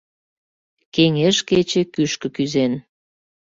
Кеҥеж кече кӱшкӧ кӱзен.